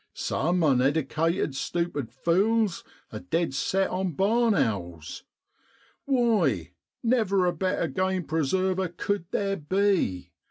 Some uneddicated, stupid fules are dead set on barn owls. Why, never a better game preserver cud theer be.